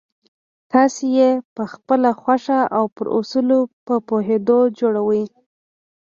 تاسې یې پخپله خوښه او پر اصولو په پوهېدو جوړوئ